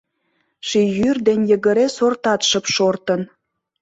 Ший йӱр ден йыгыре сортат шып шортын.